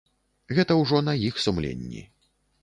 Гэта ўжо на іх сумленні.